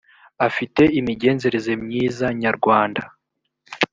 afite imigenzereze myiza nyarwanda .